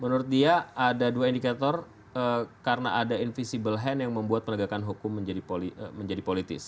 menurut dia ada dua indikator karena ada invisible hand yang membuat penegakan hukum menjadi politis